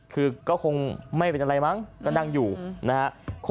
คือก็คงไม่เป็นอะไรมั้งก็นั่งอยู่นะครับ